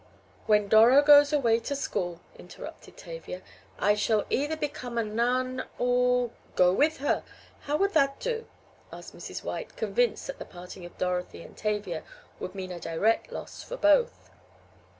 "When Doro goes away to school," interrupted Tavia, "I shall either become a nun or " "Go with her! How would that do?" asked Mrs. White, convinced that the parting of Dorothy and Tavia would mean a direct loss for both.